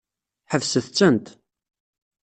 Ḥebset-tent.